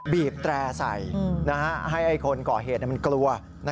บีบแตร่ใส่ให้คนก่อเหตุมันกลัว